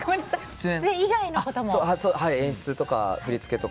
演出とか振り付けとか。